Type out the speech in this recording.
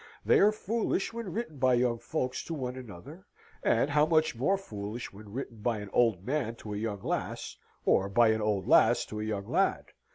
They are foolish when written by young folks to one another, and how much more foolish when written by an old man to a young lass, or by an old lass to a young lad!